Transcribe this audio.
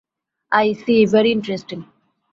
I see, very interesting.